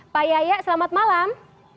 pak yayak selamat malam